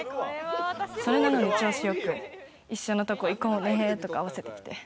それなのに調子よく、一緒のとこ行こうねとか合わせてきて。